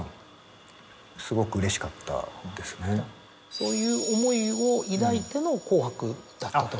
そういう思いを抱いての『紅白』だったと。